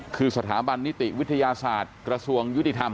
คือสถาบันนิติวิทยาศาสตร์กระทรวงยุติธรรม